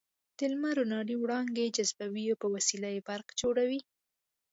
د لمر نوراني وړانګې جذبوي او په وسیله یې برق جوړېږي.